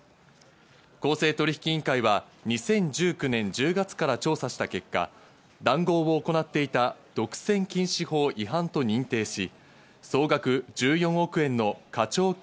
公正取引委員会は２０１９年１０月から調査した結果、談合を行っていた独占禁止法違反と認定し、総額１４億円の課徴金